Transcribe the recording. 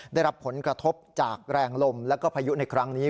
ได้รับผลกระทบจากแรงลมแล้วก็พายุในครั้งนี้